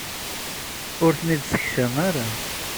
Ur ten-id-ssekcam ara.